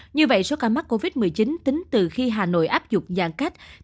như vậy số ca mắc covid một mươi chín tính từ khi hà nội áp dụng dạng ca mắc covid một mươi chín